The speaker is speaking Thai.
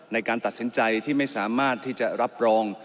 ในการตัดสินใจที่ไม่สามารถที่จะรับรอง